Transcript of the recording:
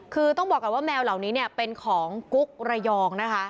คือต้องบอกก่อนว่าแมวเหล่านี้เนี่ยเป็นของกุ๊กระยองนะคะ